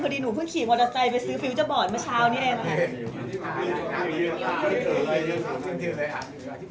หนูเพิ่งขี่มอเตอร์ไซค์ไปซื้อฟิวเจอร์บอร์ดเมื่อเช้านี้เอง